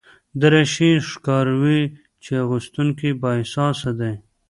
دریشي ښکاروي چې اغوستونکی بااحساسه دی.